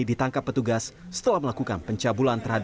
dengan hukuman sembilan tahun penjara